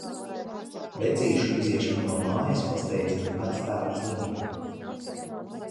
Vecīšu iziešanu no mājas pasteidzina vectēva slimība.